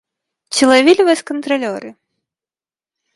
Ці лавілі вас кантралёры?